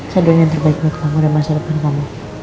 sejadinya yang terbaik buat kamu dan masa depan kamu